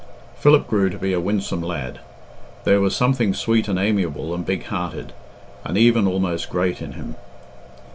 Philip grew to be a winsome lad. There was something sweet and amiable and big hearted, and even almost great, in him.